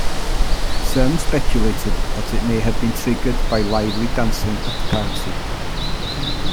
Some speculated that it may have been triggered by lively dancing at the party.